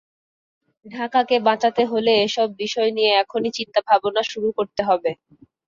ঢাকাকে বাঁচাতে হলে এসব বিষয় নিয়ে এখনই চিন্তাভাবনা শুরু করতে হবে।